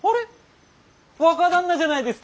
若旦那じゃないですか！